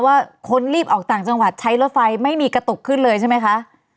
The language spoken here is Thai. ว่าคนรีบออกต่างจังหวัดใช้รถไฟไม่มีกระตุกขึ้นเลยใช่ไหมคะ